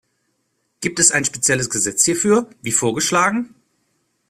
Gibt es ein spezielles Gesetz hierfür, wie vorgeschlagen?